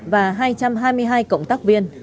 và hai trăm hai mươi hai cộng tác viên